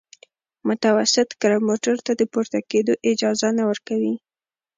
متوسط کرب موټرو ته د پورته کېدو اجازه نه ورکوي